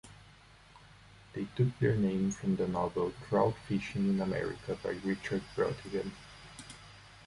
They took their name from the novel "Trout Fishing in America" by Richard Brautigan.